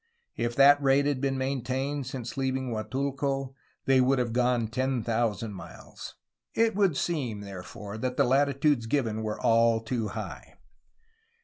If that rate had been maintained since leaving Guatulco they would have gone 10,000 miles! It would seem, therefore, that the latitudes given were all too high.